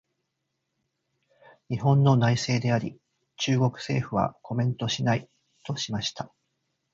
「日本の内政であり、中国政府はコメントしない」としました。